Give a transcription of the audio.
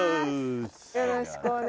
よろしくお願いします。